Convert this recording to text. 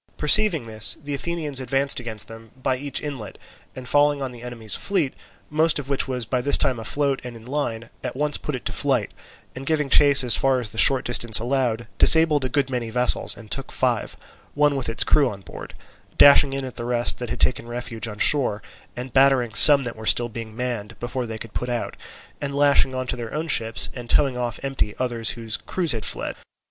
Perceiving this, the Athenians advanced against them by each inlet, and falling on the enemy's fleet, most of which was by this time afloat and in line, at once put it to flight, and giving chase as far as the short distance allowed, disabled a good many vessels and took five, one with its crew on board; dashing in at the rest that had taken refuge on shore, and battering some that were still being manned, before they could put out, and lashing on to their own ships and towing off empty others whose crews had fled.